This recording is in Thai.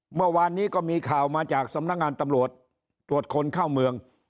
เมื่อวานนี้ก็มีข่าวมาจากสำนักงานตำรวจตรวจคนเข้าเมือง